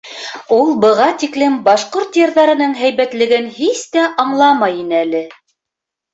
Ул быға тиклем башҡорт йырҙарының һәйбәтлеген һис тә аңламай ине әле.